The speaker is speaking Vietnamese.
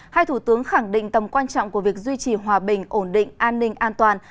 hai thủ tướng khẳng định tầm quan trọng của việc duy trì hòa bình ổn định an ninh an toàn